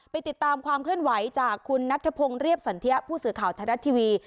ติดตามความเคลื่อนไหวจากคุณนัทธพงศ์เรียบสันเทียผู้สื่อข่าวไทยรัฐทีวี